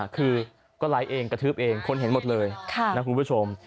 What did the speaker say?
คือก็ไลค์เองกระทืบเองคนเห็นหมดเลยนะคุณผู้ชม